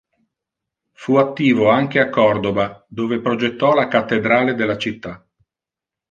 Fu attivo anche a Córdoba, dove progettò la cattedrale della città.